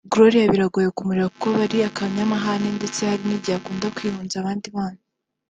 Gloria biragoye kumurera kuko aba ari akanyamahane ndetse hari igihe akunda kwihunza abandi bana